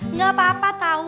nggak apa apa tau